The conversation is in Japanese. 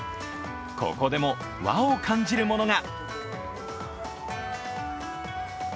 ここでも、和を感じるものが。